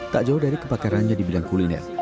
tak jauh dari kepakarannya di bidang kuliner